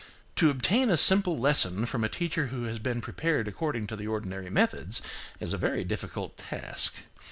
To obtain a simple lesson from a teacher who has been prepared according to the ordinary methods, is a very difficult task.